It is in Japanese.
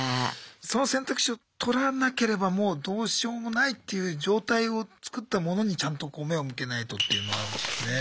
その選択肢を取らなければもうどうしようもないっていう状態を作ったものにちゃんとこう目を向けないとっていうのはありますよね。